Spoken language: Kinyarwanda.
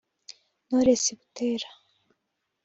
Knowless Butera